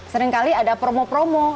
seringkali ada promo promo